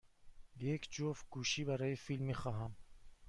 یک جفت گوشی برای فیلم می خواهم.